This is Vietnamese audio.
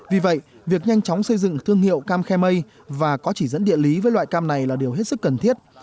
vì vậy việc nhanh chóng xây dựng thương hiệu cam khe mây và có chỉ dẫn địa lý với loại cam này là điều hết sức cần thiết